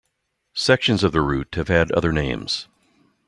Sections of the route have had other names.